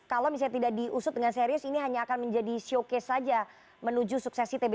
kalau misalnya tidak diusut dengan serius ini hanya akan menjadi showcase saja menuju suksesi tb